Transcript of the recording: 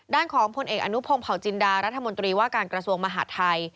ด้านของผลเอกอนุพงศ์เผาจินดารัฐมนตรีว่าการกระทรวงมหาดไทย